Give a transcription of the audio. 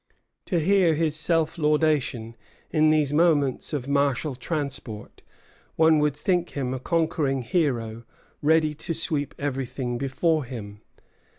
To hear his self laudation in these moments of martial transport one would think him a conquering hero ready to sweep everything before him.